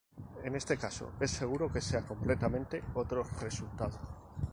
En este caso es seguro que sea completamente otro resultado.